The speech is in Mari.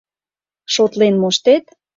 Шотлен моштет?